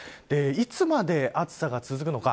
いつまで暑さが続くのか。